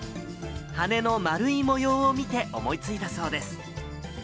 羽根の丸い模様を見て思いついたそうです。